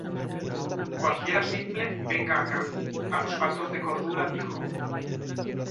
Cualquiera simple, venga acá. A los faltos de cordura dijo: